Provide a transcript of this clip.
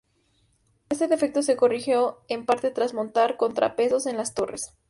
Este defecto, se corrigió en parte tras montar contrapesos en las torres.